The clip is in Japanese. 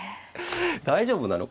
大丈夫なの。